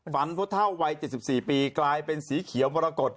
พ่อเท่าวัย๗๔ปีกลายเป็นสีเขียวมรกฏ